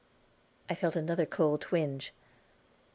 I felt another cold twinge.